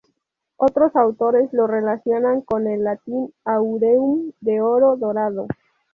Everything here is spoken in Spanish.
Otros autores lo relacionan con el latín "aureum", "de oro", "dorado".